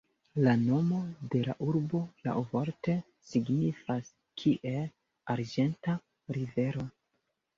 La nomo de la urbo laŭvorte signifas kiel "arĝenta rivero".